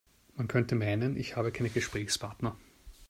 Man könnte meinen, ich habe keine Gesprächspartner.